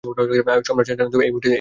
সম্রাট শাহজাহান এই মসজিদ নির্মাণ করেন।